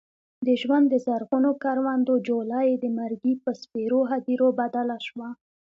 د ژوند د زرغونو کروندو جوله یې د مرګي په سپېرو هديرو بدله شوه.